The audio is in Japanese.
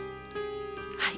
はい。